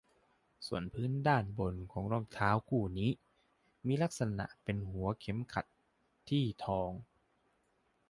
ส่วนพื้นด้านบนของรองเท้าคู่นี้มีลักษณะเป็นหัวเข็มขัดที่ทอง